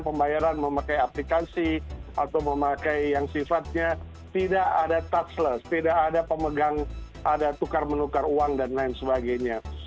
pembayaran memakai aplikasi atau memakai yang sifatnya tidak ada touchless tidak ada pemegang ada tukar menukar uang dan lain sebagainya